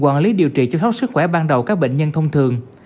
quản lý điều trị chăm sóc sức khỏe ban đầu các bệnh nhân thông thường